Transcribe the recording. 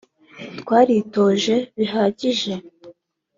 Twaritoje bihagije